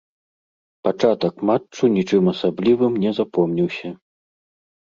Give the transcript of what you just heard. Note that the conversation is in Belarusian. Пачатак матчу нічым асаблівым не запомніўся.